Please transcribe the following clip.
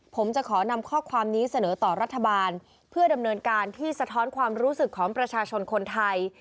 ผมจะขอนำข้อความนี้เสนอต่อรัฐบาลเพื่อดำเนินการที่สะท้อนความรู้สึกของประชาชนคนไทย